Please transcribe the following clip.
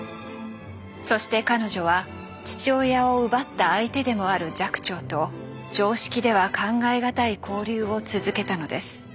そして彼女は父親を奪った相手でもある寂聴と常識では考え難い交流を続けたのです。